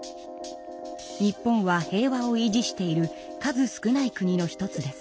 日本は平和を維持している数少ない国の一つです。